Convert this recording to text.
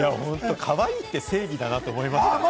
かわいいって正義だなと思いました。